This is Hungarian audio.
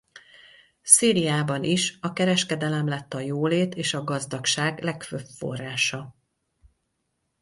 Szíriában is a kereskedelem lett a jólét és a gazdagság legfőbb forrása.